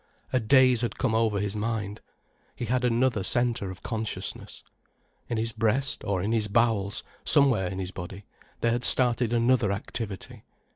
A daze had come over his mind, he had another centre of consciousness. In his breast, or in his bowels, somewhere in his body, there had started another activity.